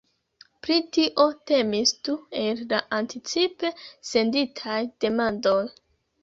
Pri tio temis du el la anticipe senditaj demandoj.